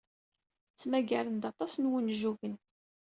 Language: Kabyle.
Ttmagarent-d aṭas n wunjugen.